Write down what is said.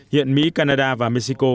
hiện mỹ canada và mexico